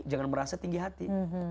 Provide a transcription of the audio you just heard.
jangan merasa tinggi hati